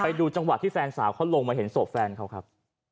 ไปดูจังหวะที่แฟนสาวเขาลงมาเห็นศพแฟนเขาครับ